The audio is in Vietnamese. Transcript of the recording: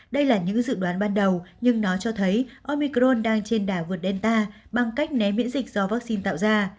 đây là những dự đoán ban đầu nhưng nó cho thấy omicron đang trên đà vượt delta bằng cách né miễn dịch do vaccine tạo ra